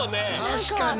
確かに。